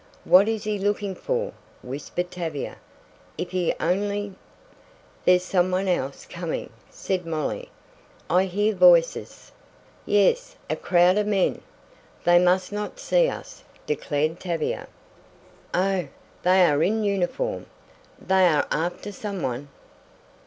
"What is he looking for?" whispered Tavia. "If he only " "There's some one else coming," said Molly. "I hear voices." "Yes. A crowd of men! They must not see us," declared Tavia. "Oh, they are in uniform! They are after some one!"